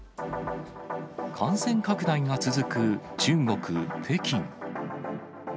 感染拡大が続く中国・北京。